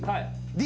Ｄ。